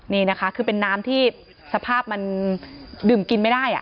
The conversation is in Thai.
นี่นะคะคือเป็นน้ำที่สภาพมันดื่มกินไม่ได้